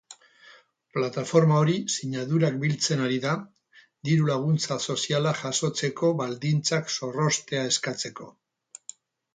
Plataforma hori sinadurak biltzen ari da, diru-laguntza sozialak jasotzeko baldintzak zorroztea eskatzeko.